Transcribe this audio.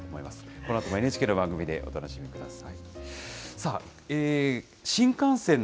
このあともＮＨＫの番組でお楽しみください。